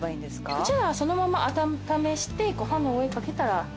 こちらはそのまま温めしてご飯の上掛けたら。